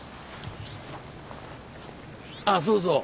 あっそうそう。